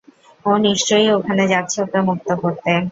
ও নিশ্চয়ই ওখানে যাচ্ছে ওকে মুক্ত করতে।